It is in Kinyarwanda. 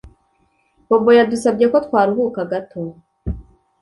Bobo yadusabye ko twaruhuka gato